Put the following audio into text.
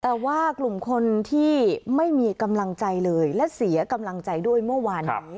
แต่ว่ากลุ่มคนที่ไม่มีกำลังใจเลยและเสียกำลังใจด้วยเมื่อวานนี้